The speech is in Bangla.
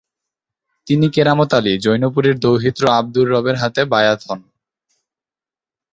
তিনি কেরামত আলী জৈনপুরীর দৌহিত্র আবদুর রবের হাতে বায়আত হন।